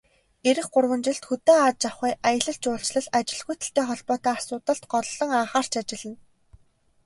Ирэх гурван жилд хөдөө аж ахуй, аялал жуулчлал, ажилгүйдэлтэй холбоотой асуудалд голлон анхаарч ажиллана.